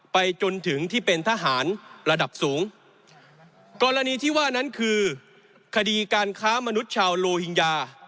ไปจนถึงที่เป็นทหารระดับสูงกรณีที่ว่านั้นคือคดีการค้ามนุษย์ชาวโลหิงญา